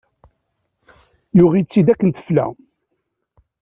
Yuɣ-itt-id akken tefla.